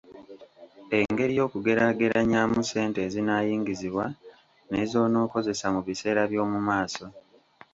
Engeri y’okugeraageranyaamu ssente ezinaayingizibwa ne z’onookozesa mu biseera by’omu maaso.